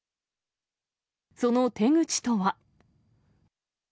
その手口とは。